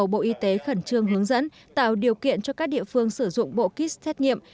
bộ y tế khẩn trương hướng dẫn tạo điều kiện cho các địa phương sử dụng bộ kit xét nghiệm